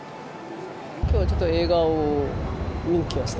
きょうはちょっと映画を見に来ました。